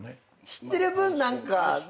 知ってる分何か。